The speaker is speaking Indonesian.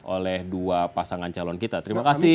oleh dua pasangan calon kita terima kasih